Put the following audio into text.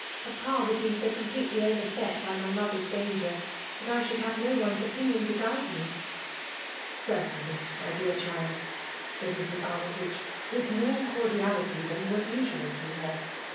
Papa would be so completely overset by my mothers danger, that I should have no one's opinion to guide me." " Certainly, my dear child," said Mrs. Army tage, with more cordiality than was usual to 222 FSMAI£ POtflKAUON.